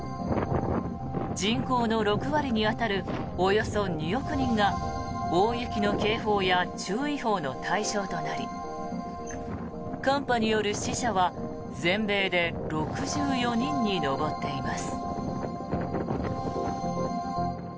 人口の６割に当たるおよそ２億人が大雪の警報や注意報の対象となり寒波による死者は全米で６４人に上っています。